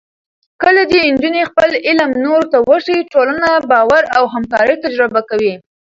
کله چې نجونې خپل علم نورو ته وښيي، ټولنه باور او همکارۍ تجربه کوي.